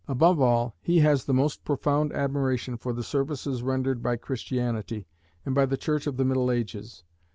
Above all, he has the most profound admiration for the services rendered by Christianity, and by the Church of the middle ages.